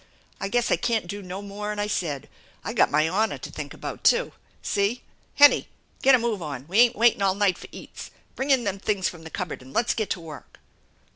I guess I can't do no more'n I said. I got my honor to think about, too. See ? Hennie ! Get a move on you. We ain't waitin' all night fer eats. Bring in them things from the cupboard and let's get to work."